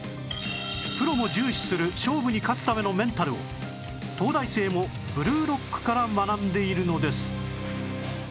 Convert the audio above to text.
プロも重視する勝負に勝つためのメンタルを東大生も『ブルーロック』から学んでいるのです